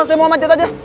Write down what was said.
saya mau manjat aja